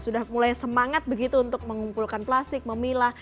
sudah mulai semangat begitu untuk mengumpulkan plastik memilah